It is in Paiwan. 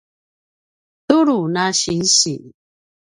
tulu na sinsi